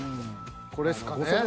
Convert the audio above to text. これっすかね。